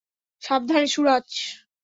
সাবধানে, সুরাজ।